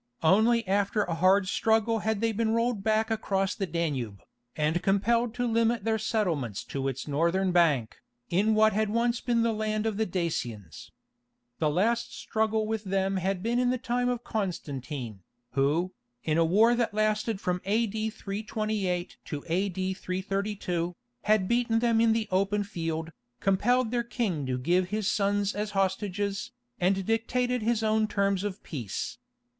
Only after a hard struggle had they been rolled back across the Danube, and compelled to limit their settlements to its northern bank, in what had once been the land of the Dacians. The last struggle with them had been in the time of Constantine, who, in a war that lasted from A.D. 328 to A.D. 332, had beaten them in the open field, compelled their king to give his sons as hostages, and dictated his own terms of peace.